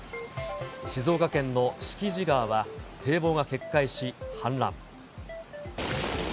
静岡県の敷地川は、堤防が決壊し、氾濫。